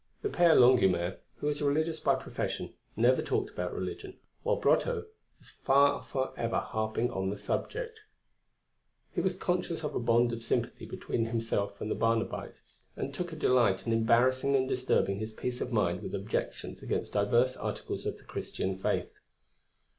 The Père Longuemare, who was religious by profession, never talked about religion, while Brotteaux was for ever harping on the subject. He was conscious of a bond of sympathy between himself and the Barnabite, and took a delight in embarrassing and disturbing his peace of mind with objections against divers articles of the Christian faith.